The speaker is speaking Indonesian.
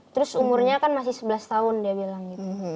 terus umurnya kan masih sebelas tahun dia bilang gitu